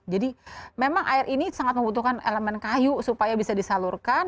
jadi memang air ini sangat membutuhkan elemen kayu supaya bisa disalurkan